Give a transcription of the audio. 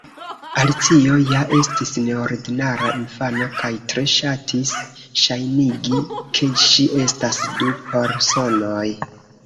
Alicio ja estis neordinara infano kaj tre ŝatis ŝajnigi ke ŝi estas du personoj.